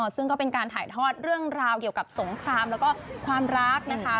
ซึ่งก็เป็นการถ่ายทอดเรื่องราวเกี่ยวกับสงครามแล้วก็ความรักนะคะ